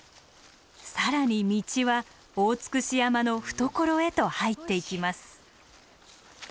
更に道は大尽山の懐へと入っていきます。